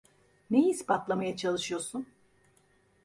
Neyi ispatlamaya çalışıyorsun?